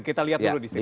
kita lihat dulu di sini